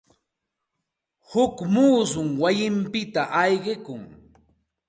Huk muusum wayinpita ayqikun.